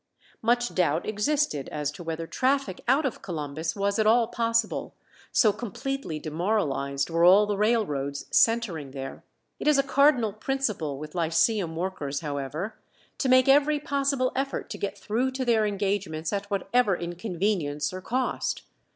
Much doubt existed as to whether traffic out of Columbus was at all possible, so completely demoralized were all the railroads centering there. It is a cardinal principle with lyceum workers, however, to make every possible effort to get through to their engagements at whatever inconvenience or cost.